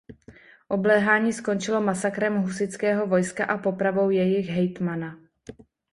Obléhání skončilo masakrem husitského vojska a popravou jejich hejtmana.